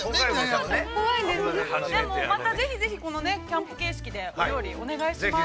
◆またぜひぜひ、キャンプ形式でお料理をお願いします。